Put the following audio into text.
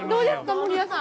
守屋さん。